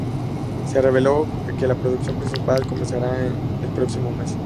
Se reveló que la producción principal comenzaría el próximo mes.